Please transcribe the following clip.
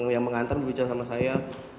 yang mengantar berbicara sama saya